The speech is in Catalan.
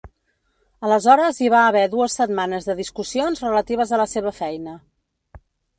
Aleshores hi va haver dues setmanes de discussions relatives a la seva feina.